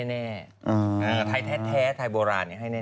อือไทยแท้ไทยโบราณนี่ให้แน่